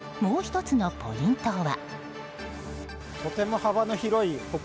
更に、もう１つのポイントは。